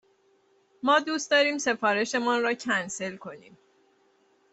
ما دوست داریم سفارش مان را کنسل کنیم.